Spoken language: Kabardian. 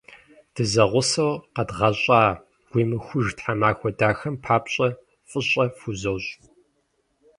Дызэгъусэу къэдгъэщӏа гуимыхуж тхьэмахуэ дахэм папщӏэ фӏыщӏэ фхузощӏ!